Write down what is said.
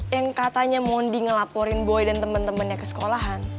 yang katanya mondi ngelaporin boy dan temen temennya ke sekolahan